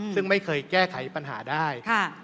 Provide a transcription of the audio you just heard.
ซึ่งไม่เคยแก้ไขปัญหาได้